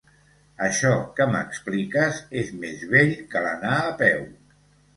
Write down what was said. Això que m'expliques és més vell que l'anar a peu.